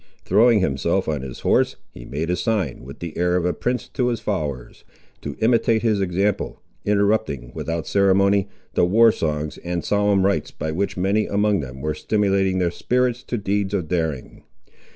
Throwing himself on his horse, he made a sign, with the air of a prince to his followers, to imitate his example, interrupting, without ceremony, the war songs and solemn rites by which many among them were stimulating their spirits to deeds of daring.